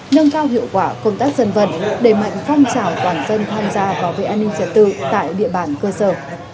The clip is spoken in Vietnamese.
nâng cao hiệu quả công tác dân vận đề mạnh phong trào toàn dân tham gia bảo vệ an ninh giả tự tại địa bản cơ sở